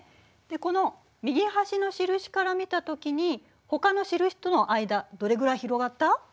この右端の印から見たときにほかの印との間どれくらい広がった？